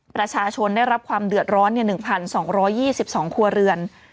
ประชาชนได้รับความเดือดร้อน๑๒๒ครัวเรือน